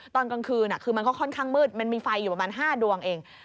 ตอนกลางคืนคือมันก็ค่อนข้างมืดมันมีไฟอยู่ประมาณ๕ดวงเอง